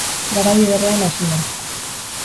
Garai ederrean hasi da!